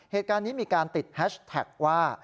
เหตุการณ์นี้มีการติดแฮชแท็กว่า